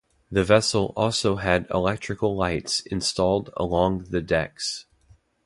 The vessel also had electrical lights installed along the decks.